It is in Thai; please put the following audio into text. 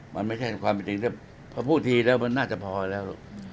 มันไม่ใช่ความจริงถ้าพอพูดทีแล้วมันน่าจะพอแล้ว